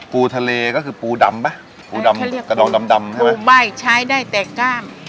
ปูทะเลก็คือปูดำป่ะปูดำกระดองดำดำใช่ไหมปูใบ้ใช้ได้แต่กล้าม